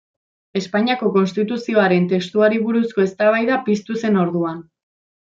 Espainiako Konstituzioaren testuari buruzko eztabaida piztu zen orduan.